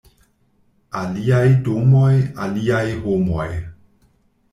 Aliaj domoj, aliaj homoj.